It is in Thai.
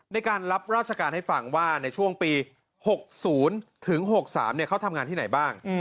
ในการรับราชการให้ฟังว่าในช่วงปี๖๐ถึง๖๓เขาทำงานที่ไหนบ้าง